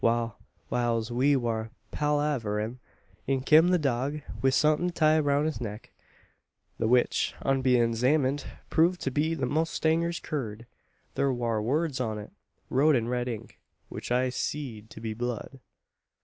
"Wal, whiles we war palaverin', in kim the dog, wi' somethin' tied roun' his neck the which, on bein' 'zamined, proved to be the mowstanger's curd. Thur war words on it; wrote in red ink, which I seed to be blood.